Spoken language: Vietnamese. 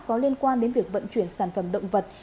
có liên quan đến việc vận chuyển sản phẩm động vật